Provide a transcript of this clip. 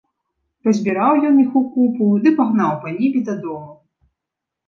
Пазбіраў ён іх у купу ды пагнаў па небе дадому.